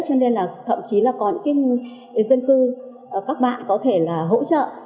cho nên là thậm chí là có những cái dân cư các bạn có thể là hỗ trợ